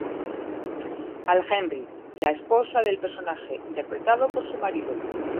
Al Henry, la esposa del personaje interpretado por su marido.